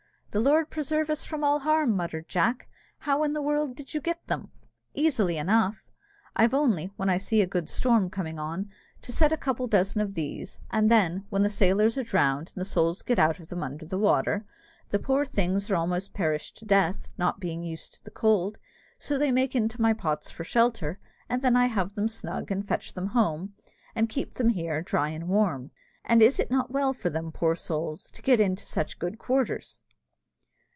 "The Lord preserve us from all harm!" muttered Jack, "how in the world did you get them?" "Easily enough: I've only, when I see a good storm coming on, to set a couple of dozen of these, and then, when the sailors are drowned and the souls get out of them under the water, the poor things are almost perished to death, not being used to the cold; so they make into my pots for shelter, and then I have them snug, and fetch them home, and keep them here dry and warm; and is it not well for them, poor souls, to get into such good quarters?"